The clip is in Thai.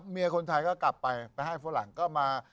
เมียคนไทยก็กลับไปไปให้ฝรั่งก็มา